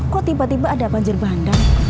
kok tiba tiba ada banjir bandang